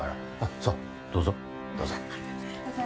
さあどうぞどうぞ。